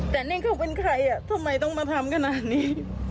แต่นี่เขาเป็นใครทำไมต้องมาทำขนาดนี้